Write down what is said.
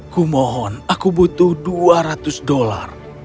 kumohon aku butuh dua ratus dolar